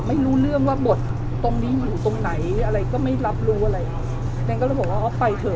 ไม่รู้เรื่องว่าบทตรงนี้อยู่ตรงไหนอะไรก็ไม่รับรู้อะไรอย่างก็เลยบอกว่าอ๋อไปเถอะ